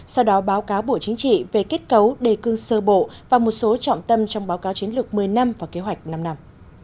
sau đó báo cáo bộ chính trị về kết cấu đề cương sơ bộ và một số trọng tâm trong báo cáo chiến lược một mươi năm và kế hoạch năm năm